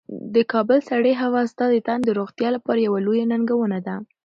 د کابل سړې هوا ستا د تن د روغتیا لپاره یوه لویه ننګونه ده.